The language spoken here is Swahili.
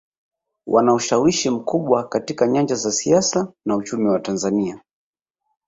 Wana ushawishi mkubwa katika nyanja za siasa na uchumi wa Tanzania